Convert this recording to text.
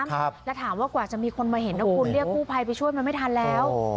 แล้วถามว่ากว่าจะมีคนมาเห็นนะคุณเรียกกู้ภัยไปช่วยมันไม่ทันแล้ว